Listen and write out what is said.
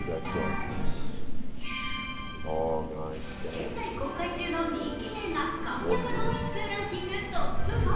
現在公開中の人気映画観客動員数ランキングトップ５。